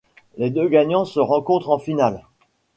Les deux gagnants se rencontrent en finale.